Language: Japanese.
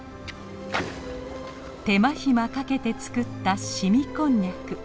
手間暇かけて作った凍みこんにゃく。